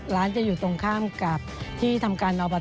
ร้านจะอยู่ตรงข้ามกับที่ทำการอบต